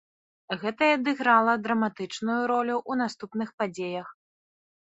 Гэта і адыграла драматычную ролю ў наступных падзеях.